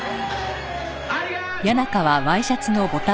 「ありがとう！」フゥ！